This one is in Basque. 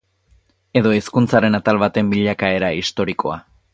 Edo hizkuntzaren atal baten bilakaera historikoa.